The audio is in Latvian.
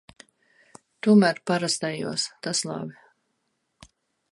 Tomēr parastajos. Tas labi.